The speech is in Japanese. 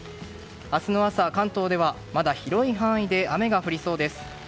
明日の朝、関東ではまだ広い範囲で雨が降りそうです。